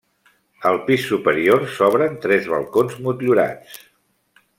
Al pis superior s'obren tres balcons motllurats.